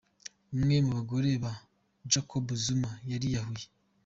Umwe mu bagore ba Jacob Zuma yariyahuye.